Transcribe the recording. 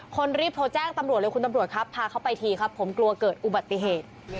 รีบโทรแจ้งตำรวจเลยคุณตำรวจครับพาเขาไปทีครับผมกลัวเกิดอุบัติเหตุ